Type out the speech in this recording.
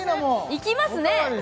いきますね